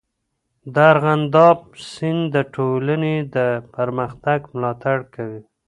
د ارغنداب سیند د ټولنې د پرمختګ ملاتړ کوي.